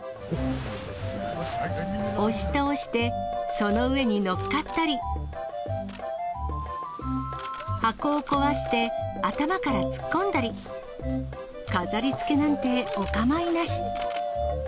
押し倒してその上に乗っかったり、箱を壊して頭から突っ込んだり、飾りつけなんてお構いなし。